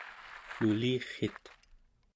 nulirrit